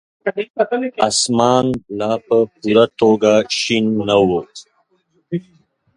اسمان لا په پوره توګه شين نه وو.